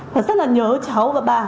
và rất là nhớ cháu và bà